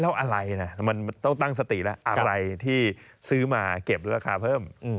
แล้วอะไรนะมันต้องตั้งสติแล้วอะไรที่ซื้อมาเก็บราคาเพิ่ม